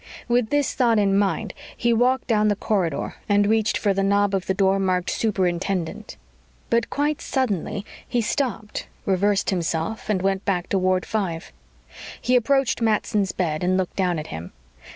With this thought in mind, he walked down the corridor and reached for the knob of the door marked Superintendent. But quite suddenly he stopped, reversed himself, and went back to Ward Five. He approached Matson's bed and looked down at him.